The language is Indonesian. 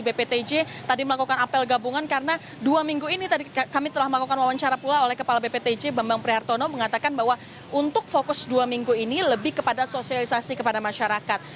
bptj tadi melakukan apel gabungan karena dua minggu ini tadi kami telah melakukan wawancara pula oleh kepala bptj bambang prihartono mengatakan bahwa untuk fokus dua minggu ini lebih kepada sosialisasi kepada masyarakat